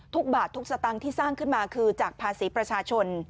บาททุกสตางค์ที่สร้างขึ้นมาคือจากภาษีประชาชน